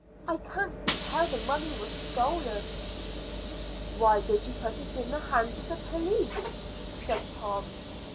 I can't think how the money was stolen." "Why don't you put it into the hands of the police?" said Tom.